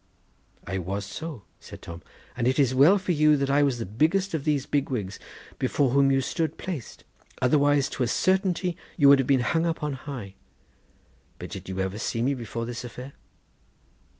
'I was so,' said Tom; 'and it is well for you that I was the biggest of those big wigs before whom you stood placed, otherwise to a certainty you would have been hung up on high; but did you ever see me before this affair?